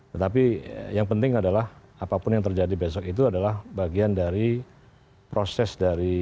tetapi yang penting adalah apapun yang terjadi besok itu adalah bagian dari proses dari